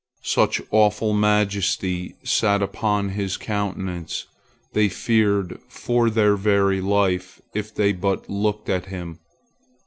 Such awful majesty sat upon his countenance, they feared for their very life if they but looked at him.